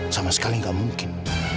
sama sekali gak mungkin